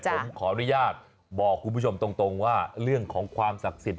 ผมขออนุญาตบอกคุณผู้ชมตรงว่าเรื่องของความศักดิ์สิทธิ